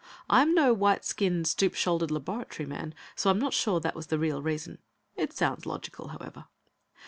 I'm no white skinned, stoop shouldered laboratory man, so I'm not sure that was the real reason. It sounds logical, however.